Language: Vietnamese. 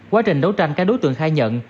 quá trình đấu tranh các đối tượng khai nhận